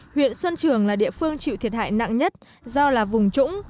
huyện xuân trường là địa phương chịu thiệt hại nặng nhất do là vùng trũng